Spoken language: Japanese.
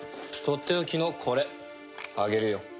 とっておきのこれあげるよ。